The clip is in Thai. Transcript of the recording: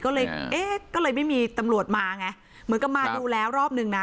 ก็เลยเอ๊ะก็เลยไม่มีตำรวจมาไงเหมือนกับมาดูแล้วรอบนึงนะ